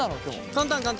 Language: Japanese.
簡単簡単。